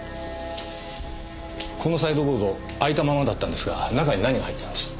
このサイドボード開いたままだったんですが中に何が入ってたんです？